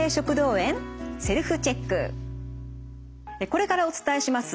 これからお伝えします